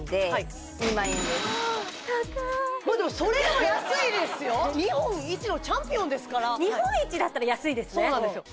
高いまあでもそれでも安いですよ日本一のチャンピオンですから日本一だったら安いですねそうなんですよ